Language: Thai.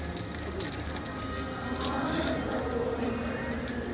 จงสลิขิตดัง